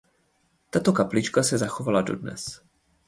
Tato kaplička se zachovala dodnes.